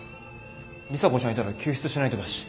里紗子ちゃんいたら救出しないとだし。